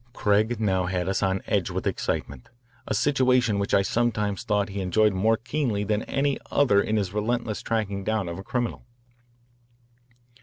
Craig now had us on edge with excitement, a situation which I sometimes thought he enjoyed more keenly than any other in his relentless tracing down of a criminal.